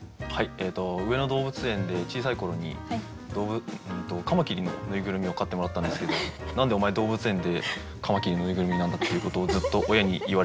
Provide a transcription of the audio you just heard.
上野動物園で小さい頃にカマキリの縫いぐるみを買ってもらったんですけど何でお前動物園でカマキリの縫いぐるみなんだっていうことをずっと親に言われ続けながら生きています。